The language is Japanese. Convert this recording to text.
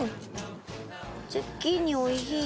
ズッキーニおいしいよ